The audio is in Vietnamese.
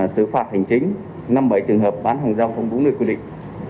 sử phạt hành chính năm mươi bảy trường hợp bán hàng rong không đúng nơi quy định